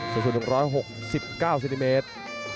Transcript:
ส่วนสุด๑๖๙ซินิเมตร